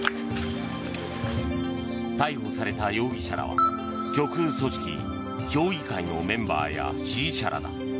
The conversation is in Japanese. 逮捕された容疑者らは極右組織、評議会のメンバーや支持者らだ。